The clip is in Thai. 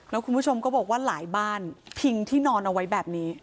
แล้วคุณผู้ชมก็บอกว่าหลายบ้านพิงที่นอนเอาไว้แบบนี้